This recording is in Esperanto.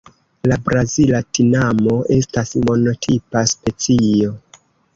La Brazila tinamo estas monotipa specio.